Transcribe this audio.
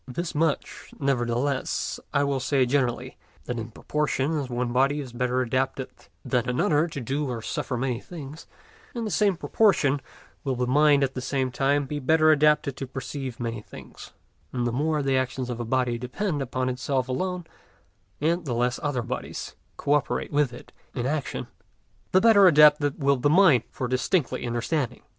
This much, nevertheless, I will say generally, that in proportion as one body is better adapted than another to do or suffer many things, in the same proportion will the mind at the same time be better adapted to perceive many things, and the more the actions of a body depend upon itself alone, and the less other bodies coöperate with it in action, the better adapted will the mind be for distinctly understanding.